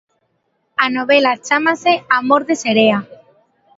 A novela chámase Amor de Serea.